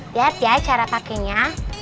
lihat ya cara pakainya